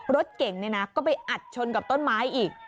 รถเก่งเนี่ยนะก็ไปอัดชนกับต้นไม้อีก